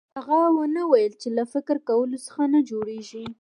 هغه ونه ويل چې له فکر کولو څه نه جوړېږي.